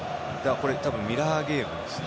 多分、ミラーゲームです。